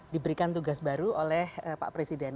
diberikan tugas baru oleh pak presiden